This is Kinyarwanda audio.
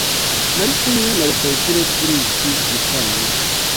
Nari kumwe na Rutayisire kuri iki gicamunsi.